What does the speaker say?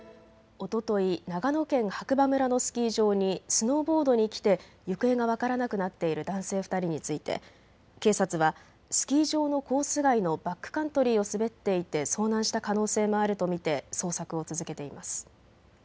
おととい、長野県白馬村のスキー場にスノーボードに来て行方が分からなくなっている男性２人について警察はスキー場のコース外のバックカントリーを滑っていて遭難した可能性もあると見て捜索を続けています。